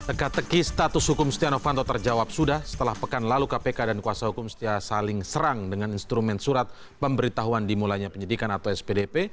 teka teki status hukum setia novanto terjawab sudah setelah pekan lalu kpk dan kuasa hukum setia saling serang dengan instrumen surat pemberitahuan dimulainya penyidikan atau spdp